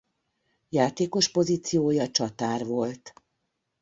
Játékos pozíciója csatár volt.